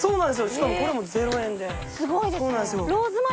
しかもこれも０円で。